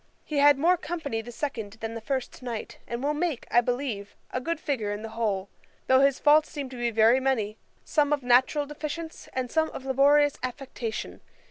He had more company the second than the first night, and will make, I believe, a good figure in the whole, though his faults seem to be very many; some of natural deficience, and some of laborious affectation.